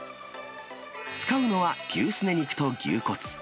使うのは牛すね肉と牛骨。